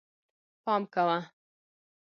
پام کوه